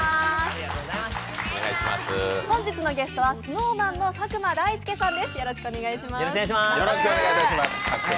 本日のゲストはＳｎｏｗＭａｎの佐久間大介さんです。